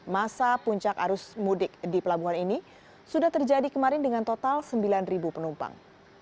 masa puncak arus mudik di pelabuhan ini sudah terjadi kemarin dengan total sembilan penumpang